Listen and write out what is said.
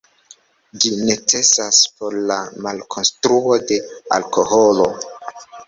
Ĝi necesas por la malkonstruo de alkoholo.